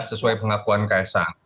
sesuai pengakuan kaya sang